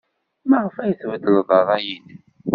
Maɣef ay tbeddled ṛṛay-nnem?